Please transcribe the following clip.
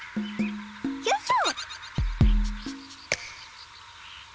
よいしょ。